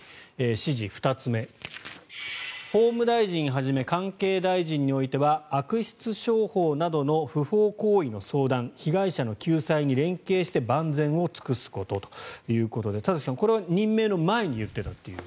指示２つ目、法務大臣はじめ関係大臣においては悪質商法などの不法行為の相談被害者の救済に連携して万全を尽くすことということで田崎さん、これは任命の前に言っていたという。